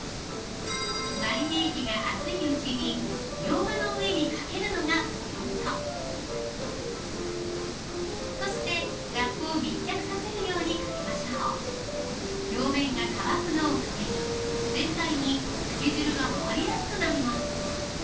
マリネ液が熱いうちにみょうがの上にかけるのがポイントそしてラップを密着させるようにかけましょう表面が乾くのを防ぎ全体に漬け汁が回りやすくなります